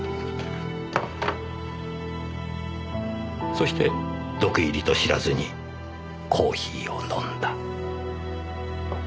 そして毒入りと知らずにコーヒーを飲んだ。